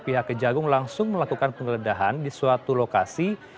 pihak kejagung langsung melakukan penggeledahan di suatu lokasi